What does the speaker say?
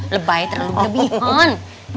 lebay terlalu kebihon